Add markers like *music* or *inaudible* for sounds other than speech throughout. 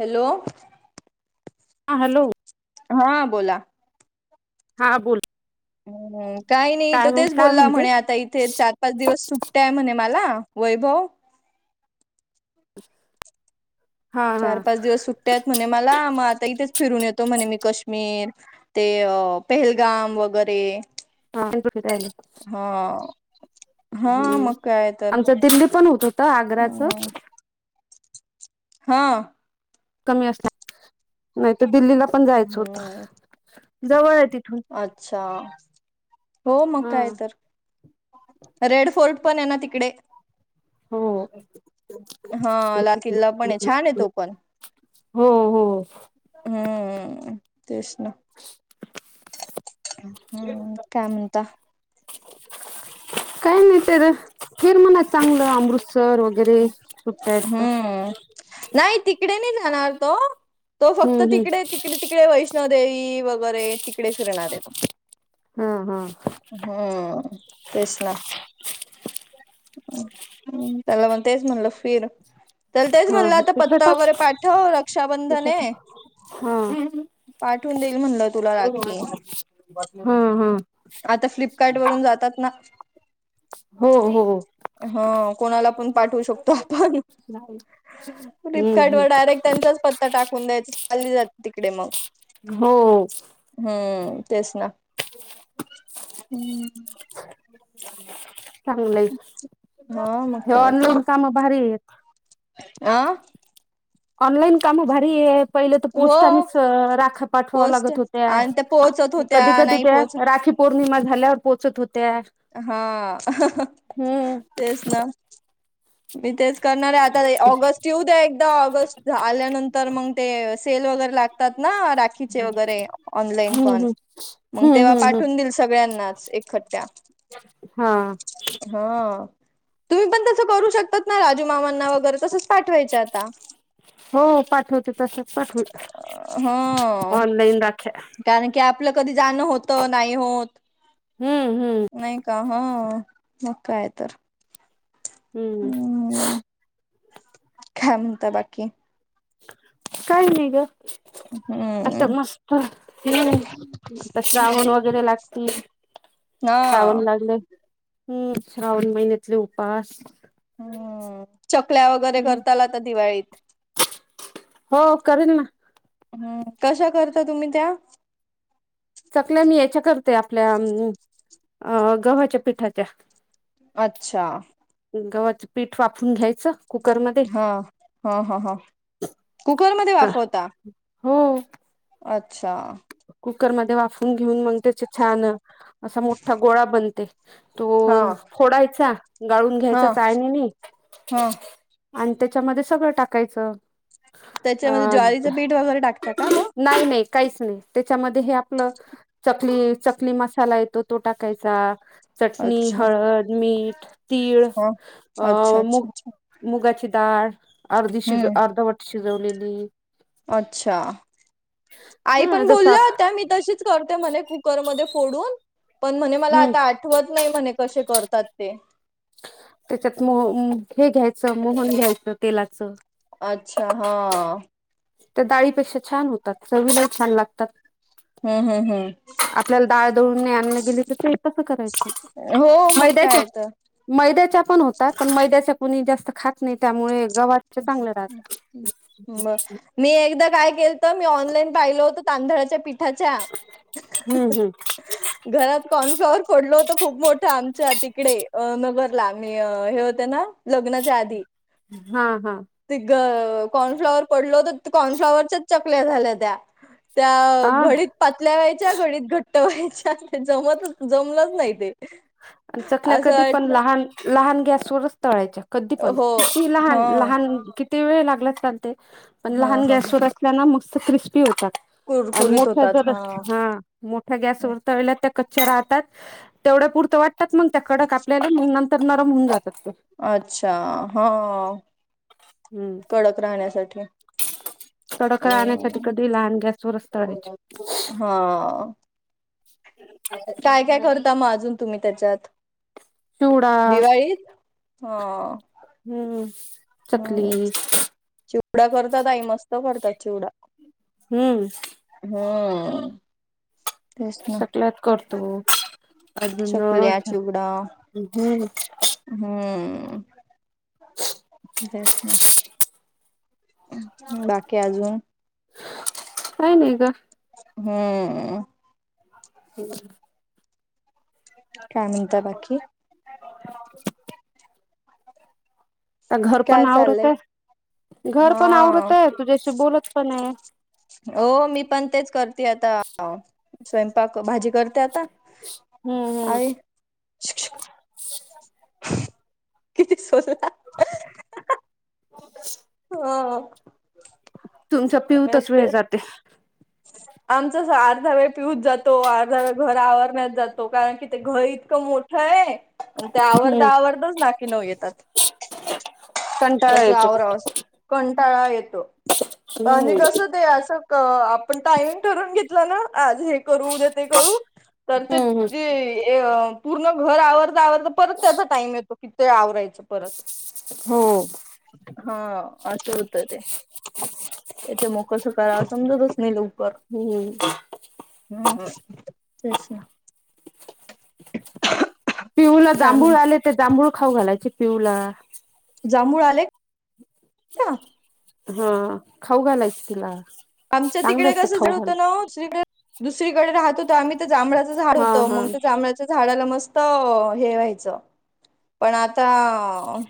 Hello. हां. Hello. हा बोला. हा बोल. ह् काही नाही काय तो मग तेच, काय बोलला म्हणते म्हणे आता इथेच पाच दिवस सुट्टया आहे म्हणे मला वैभव. *inaudible* चार पाच दिवस सुट्टया आहेत म्हणे मला मग, आता इथेच फिरून येतो म्हणे मी काश्मीर. ते पेहलगाम वगैरे. काय करून राहिले. हा हा हम्म मग काय? तर आमचं दिल्ली पण होत होतं आग्राचं हा. कमी असल्या असणार, नाही तर दिल्लीला पण जायचं हम्म होती जवळ आहे तिथून. अच्छा हो मग हा काय तर? रेड फोर्ट पण आहे ना तिकडे. हो. हा लाल किल्ला पण आहे छान आहे तो पण. हो हो हां तेच ना. हम् काय म्हणता. काही नाही ते अर फिर म्हणावं चांगलं अमृतसर वगैरे सुट्ट्या आहेत तर हम्म. नाही तिकडे नाही जाणार तो. तो हम्म फक्त तिकडे, हम्म तिकडे, तिकडे वैष्णोदेवी वगैरे तिकडे फिरणार आहे. हा हा. हम्म. तेच ना. त्याला पण तेच म्हणलं फिर. त्याला तेच हा म्हणलं हा आता तिकडे पत्ता टाक वगैरे पाठव रक्षाबंधन तिकडे आहे. हा पाठवून देईल म्हणलं तुला राखी. हम्म. हम्म. आता फ्लिपकार्ट वरून जातात ना. हो हो हा कोणाला पण पाठवू शकतो आपण. नाही. फ्लिपकार्ट वर डायरेक्ट त्यांचाच पत्ता टाकून द्यायचा चालली जात तिकडे मग. हो. हम्म तेच ना. हो हम्म. चांगलं आहे हा मग हा ऑनलोन काम भारी येत. आं ऑलईन काम भारी आहेत. पहिले तर हो. पोस्टानेच राख्या पाठवाव्या पोस्ट लागत होत्या आणि त्या पोहोचत कधी होत्या कधी नाही त्या पोहोच राखी पौर्णिमा झाल्यावर पोचत होत्या. हा हम्म तेच ना. मी तेच करणार आहे आता ऑगस्ट येऊ दे. ऑगस्ट आल्यानंतर मग ते सेल वगैरे लागते तात ना राखीचे वगैरे ऑनलाईन हम्म पण. हम्म. मग हम्म तेव्हा हम्म हम्म पाठवून देईल सगळ्यांनाच एक थप्या. हा. हा तुम्ही पण तसं करू शकतात ना राजू मामांना वगैरे तसं पाठवायच्या आता. हो पाठवते तसच पाठवते हा ऑनलाईन राख्या. कारण की आपलं कधी जाणं होत नाही होत. हम्म हम्म. नाही का हा मग काय तर. हम्म. काय म्हणता बाकी? काही नाही गं आता हम्म मस्त हम्म. आता श्रावण वगैरे लागतील हा श्रावण लागले हम्म श्रावण महिन्यातले उपास. हम्म चकल्या वगैरे करताल आता दिवाळीत हो करीन ना. हम्म कशा करता तुम्ही त्या? चकल्या मी याच्या करते आपल्या अ गव्हाच्या पिठाच्या. अच्छा गव्हाच पीठ वाफवून घ्यायचं. कुकरमध्ये हा हा ह ह कुकरमध्ये वाफवता? हो. अच्छा. कुकरमध्ये वाफवून घेऊन मग त्याचे छान असा मोठा गोळा बनते. तो हा फोडायचा गाळून हा घ्यायचा चाळणीनी. हा आण त्याच्यामध्ये सगळं टाकायचं. अ त्याच्यामध्ये ज्वारीचं पीठ वगैरे टाकतात का म? नाही नाही काहीच नाही. त्याच्यामध्ये हे आपलं चकली चकली मसाला येतो तो टाकायचा. चटणी अच्छा हळद मीठ तीळ हा अच्छा अ मुग अच्छा अच्छा मुगाची डाळ अर्धी शिज हम्म अर्धवट शिजवलेली. अच्छा आई हा पण जस बोलल्या होत्या मी तशीच करते म्हणे कुकरमध्ये फोडून पण म्हणे मला हम्म आता आठवत नाही म्हणे कसे करतात ते त्याच्यात मो हे घ्यायचं मोहन घ्यायचं तेलाचं. अच्छा हा. त्या डाळीपेक्षा छान होतात चवीला छान लागतात. हम हम हम. आपल्याला दाळ दळून नाही आणलं गेली तर ते तसं हो करायचं मग मैद्याच्या? काय तर मैद्याच्या पण होतात पण मैद्याच्या कोणी जास्त खात नाही त्यामुळे गव्हाच चांगलं राहतं. मग मी एकदा काय केलतं मी ऑनलाईन पाहिलं होत तांदळाच्या पीठ ठच्या हम्म *inaudible* घरात कॉर्नफ्लॉवर पडलं होतं खूप मोठं आमच्यात तिकडे नगरला आणि हे होत्या ना लग्नाच्या आधी. हा हा. ते क कॉर्नफ्लॉवर पडल होतर कॉर्नफ्लाॉवरच्याच चकल्या झाल्या त्या. त्या आ घडीत पातल्या व्हायच्या घडीत घट्ट व्हायच्या जमतच जमलंच नाही ते. आणि चकल्या असं कधी पण वाटलं लहान लहान गॅसवरच तळायच्या. कधी पण हो किती हा लहान लहान किती वेळ लागला चालते पण हा लहान हा गॅसवदस अस मस्त क्रिस्पी होतात आण कुरकुरीत मोठ्या होतात जर हा मोठ्या गॅस वर तळल्या त्या कच्च्या राहतात तेवढ्या पुरत वाटतात मग त्या कडक आपल्याला नंतर तर नरम होऊन जातात ते. अच्छा हा. हम्म. कडक राहण्यासाठी. तडका आण्यासाठी अ कधी लहान गॅस वरच तळायचे. हा. काय-काय करता म अजून तुम्ही त्याच्यात चिवडा दिवाळीत? हो. हम्म. हम्म चकली चिवडा करतात आई मस्त करता चिवडा. हम्म. हां. सकल्यात करतो. अजून चकल्या *unintelligible* चिवडा हम्म. हम्म. देस म बाकी अजून काय नाही ग. हम्म. हे बघा काय म्हणता बाकी? *inaudible* ता घर पण काय चाललंय आवरतय घर पण हा आवरतय तुझ्याशी बोलत पण आहे. हो मी पण तेच करते आता, स्वयंपाक भाजी कर ते आता हम्म आणि किती सोसला. *inaudible* हां. तुमचा पिऊतच वेळ जाते. आमच अर्धा वेळ पिऊत जातो, अर्धा वेळ घर आवरण्यात जातो. कारण की ते घर इतकं मोठं आहे. मग ते आवरता हम्म आवरता नाकी नऊ येतात. *inaudible* कसं येतो आवरावास कंटाळा येतो आणि हम्म कसं ते असं अ आपण टायमिंग ठरवून घेतलं ना, आज हे करू देते करू तर ते हम्म हम्म वेय ए य पूर्ण घर *unintelligible* परत त्याचा टाइम येतो की ते आवरायचं परत. हो. हा असं होत ते. त्याच्या मो कसं काय या समजतच नाही लवकर. हम्म. हम्म तेच ना. पिऊला काय जांभूळ म्हण आले ते जांभूळ खाऊ घालायचे पिऊला. जांभूळ आले? का हां खाऊ घालायच तिला. आमच्या चांगले तिकडे असते कसं जड खाऊ घाल होतं ना, दुसरीकडे दुसरीकडे राहत होत आम्ही. ते जांभळाचं झाड हा होतं, हा मग त्या जांभळाच्या झाडाला मस्त हे व्हायचं पण आता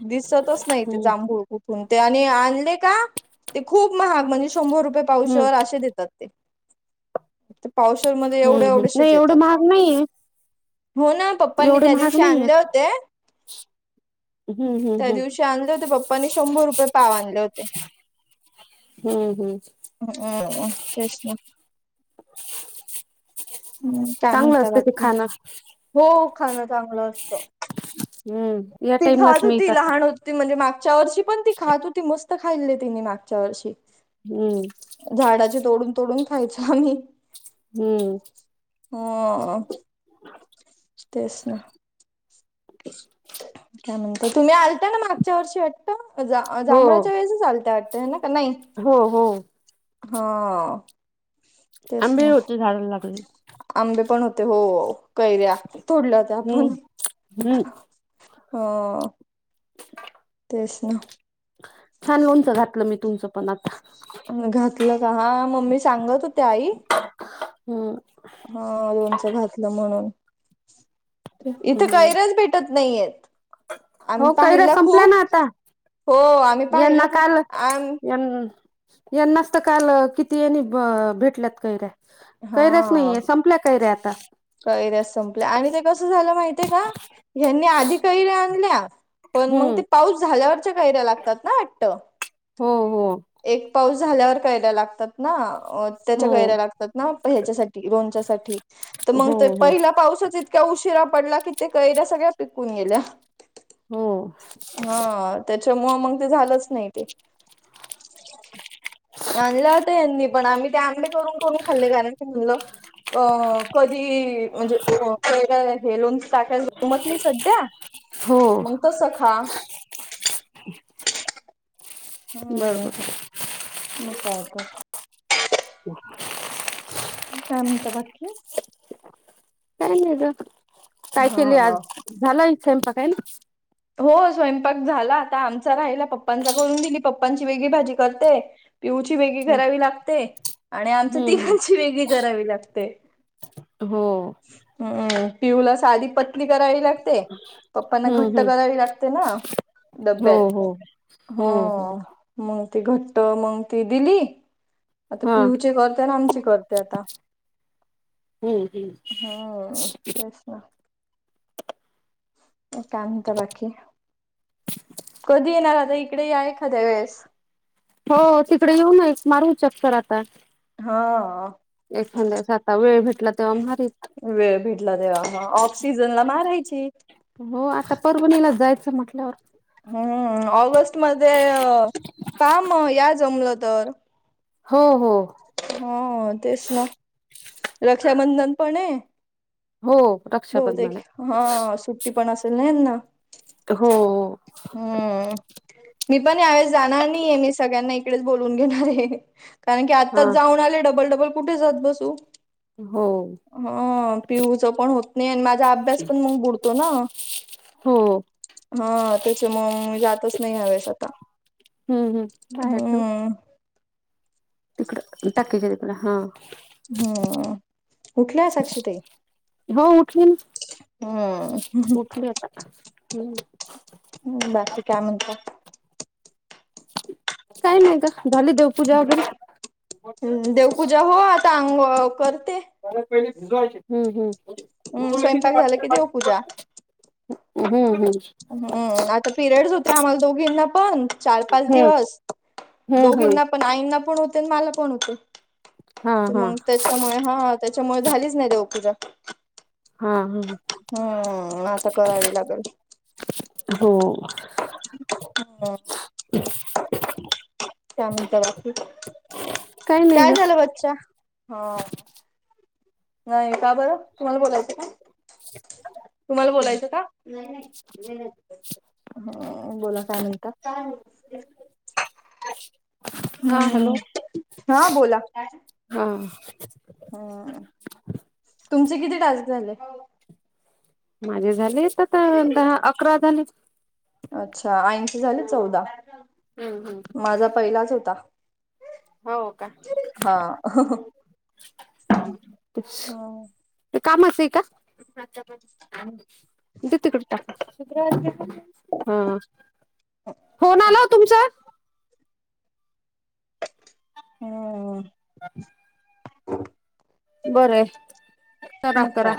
दिसतच नाही ते हम्म जांभूळ खूप. हम्म ते आणि आणले का ते खूप महाग म्हणजे शंभर रुपये हम्म पावशर अशे देतात. पावसामध्ये एवढ्या हम्म हम् नाही एवढेशेच एवढं येतात, महाग नाहीये हो ना. पप्पानी एवढे त्या महाग दिवशी आणले नाहीयेत होते हम्म त्या हम्म हम् दिवशी चे आणले होते पप्पानी शंभर रुपये पाव आणले होते. हम्म हम्म. अहं हं तेच ना. हम्म काय चांगलं म्हणता असतं ते बाकी? खाणं हो खाणं चांगलं असतं. हम्म या ती टाइमलाच खात होती मिळतात लहान होत त म्हणजे मागच्या वर्षी पण ती खात होती, मस्त खाली तिने मागच्या वर्षी. हम्म. झाडाचे तोडून तोडून खायचो आम्ही. हम्म. हं तेच ना. काय म्हणत तुम्ही आलता ना मागच्या वर्षी वाटतं. हो जांभळाच्या वेळेसच आलता वाटत ना काय नाही. हो हो. हं. आंबे होते झाडाला लागले. आंबे पण होते हो. कैऱ्या तोडल्यात हम्म आपण हम्म हां. तेच ना. छान लोणचं घातलं मी तुमचं पण आता. घातलं का हा मम्मी सांगत होते आई हम्म. हा लोणचं घातलं म्हणून इथं हम्म कैऱ्याच भेट उठत नाही येत आणि हो कैऱ्या पाहिला संपल्या खूप ना आता हो आम्ही यांना पाहिला खूप काल आम. यां यांनाच तर काल, किती येणी भेटल्यात काही रे. हा. आता कैऱ्या संपल्या आणि ते कसं झालं माहितीय का? ह्यांनी आधी कैऱ्या आणल्या. पण मग हम्म ते पाऊस झाल्यावरच्या कायऱ्या लागतात ना वाटत? हो हो एक पाऊस झाल्यावर, कैऱ्या लागतात ना त्याच्या हो कैऱ्या लागतात. ना ह्याच्यासाठी रोनच्या साठी तर मग हो ते हो पहिला पाऊसच येत इतक्या उशिरा पडला कि ते कैऱ्या सगळ्या पिकून गेल्या हो हा. त्याच्यामुळं मग ते झालंच नाही ते. आणला होता यांनी पण आम्ही ते आंबे करून करून खाल्ले कारण क म्हणलं अ कधी म्हणजे हे कैरी लोणचं टाकाय जमत नाही सध्या हो मग तस खा. हम्म बरोबर मग काय कर ह *unintelligible* काय म्हणता बाकी? काय नाही ग काय हा केली आज झालाय स्वयंपाक? हो स्वयंपाक झाला आता आमचा राहिला पप्पांचा करून दिली पप्पांची वेगळी भाजी करते पिऊची वेगळी करावी लागते आणि आमच्या हम्म तिघांची वेगळी करावी लागते. हो. हम्म पिऊला साधी पतली करावी लागते पप्पांना घट हम्म घट्ट हम्म करावी लागते ना हो डब्यात हो हो मग ते घट्ट मग ती दिली. आता हा पिऊचे करते ना आमचे करते आता. हम्म हम्म. तेच ना. मग काय म्हणता बाकी? कधी येणार आता इकडे या, एखाद्या वेळेस. हो तिकडे येऊनय मारू चक्कर आता. हो. एखांद्यास आता वेळ भेटला तेव्हा मारीत. वेळ भेटला तेव्हा हां, ऑफ सिजन ला मारायची. हो आता परभणीला जायचं म्हटल्यावर. हम्म. ऑगस्ट मध्ये‌, अ.. का मग या, जमलं तर. हो हो. हा तेच ना, रक्षाबंधन पण ये. हो.. बहुतेक रक्षाबंधन हां.. सुट्टी पण असेल ना यांना. हो.. हम्म. मी पण यावेेळेस जाणार नाही आहे, मी सगळ्यांना इकडेच बोलून घेणार आहे. कारण की हा आत्ताच जाऊन आले, डबल डबल कुठे जात बसू. हो.. अ पिऊूच पण होत नाही, आणि माझा अभ्यास पण मग बुडतो ना. हो हा ते. हेच्यामुळं मी जातंच नाही, ह्या वेळेस आता. हम्म हम्म बाहेर ठेव हम्म.. तिकडं टाकीच्या तिकडं हं.. हम्म उठल्या साक्ष ताई? हो उठली, हम्म उठली आता हं. बाकी काय म्हणता. काय नाही गं, झाली देव देवपूजा हो, आता अंग करते. पहिला कनीक भिजवायचे. हम्म. स्वयंपाक झालं, की देव पूजा. हम्म हम्म‌. हम्म. आता पिरियडस होते, आम्हाला दोघींना पण चार पाच हम्म दिवस. हम्म हम्म. दोघींना पण आईंना पण होते मला पण होते, हा हा मगं ते त्यांच्यामुळे हा, त्यांच्यामुळे झालीच नाही देवपूजा. हां हां हां. हम्म. आता करावी लागलं. हो. *unintelligible* काय म्हणता बाकी, नाही काय ग झालं बच्चा. हां.. नाही का बरं, तुम्हाला बोलायचं काय. तुम्हाला बोलायचं का. नाही नाही हम्म. बोला काय म्हणता. हा हम्म हॅलो हा बोला. हा.. *inaudible* हम्म. तुमचे किती टास्क झाले. माझे झालेत आता दहा अकरा झाले. अच्छा ऐंशी झाले चौदा, हम्म हम्म माझा पहिलाच होता. हो का. हा हम्म ते कामचं आहे का. दे तिकडं टाकून. हं.. फोन आलं ओ तुमचं. हम.. हा ह बराय करा करा. काय